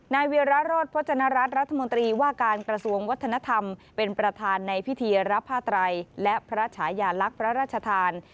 เวียระโรธพจนรัฐรัฐรัฐมนตรีว่าการกระทรวงวัฒนธรรมเป็นประธานในพิธีรับผ้าไตรและพระฉายาลักษณ์พระราชทาน